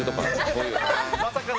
こういう。